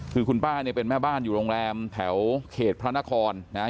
คือคุณป้าเนี่ยเป็นแม่บ้านอยู่โรงแรมแถวเขตพระนครนะฮะ